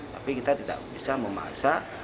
tapi kita tidak bisa memasak